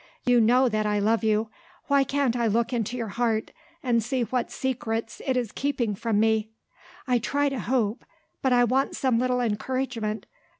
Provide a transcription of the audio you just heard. You know that I love you. Why can't I look into your heart, and see what secrets it is keeping from me? I try to hope; but I want some little encouragement.